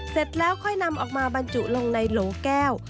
เสร็จแล้วค่อยนำออกมาบรรจุลงในโหลแก้ว